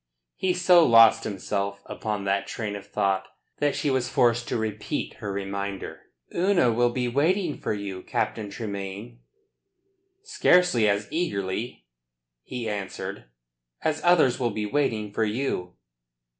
He so lost himself upon that train of thought that she was forced to repeat her reminder. "Una will be waiting for you, Captain Tremayne." "Scarcely as eagerly," he answered, "as others will be waiting for you."